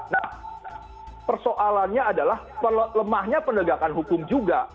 nah persoalannya adalah lemahnya penegakan hukum juga